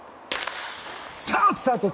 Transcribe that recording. さあ、スタート！